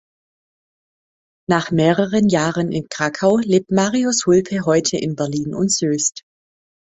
Nach mehreren Jahren in Krakau lebt Marius Hulpe heute in Berlin und Soest.